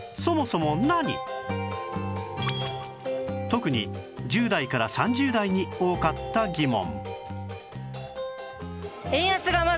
特に１０代から３０代に多かった疑問